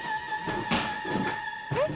「えっ？」